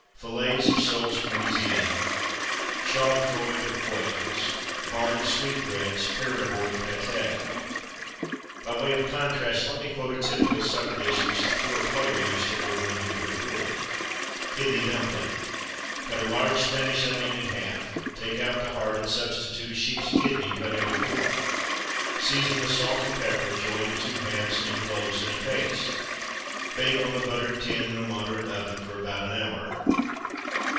Fillets of soles Parisienne. Chaudfroid of Quails. Barded sweetbreads. Perigord pâté. By way of contrast, let me quote a typical supper dish which the "poor player" used to order, when he could afford it. Kidney Dumpling. Cut a large Spanish onion in half. Take out the heart, and substitute a sheep's kidney, cut into four. Season with salt and pepper, join the two halves, and enclose in a paste. Bake on a buttered tin, in a moderate oven, for about an hour.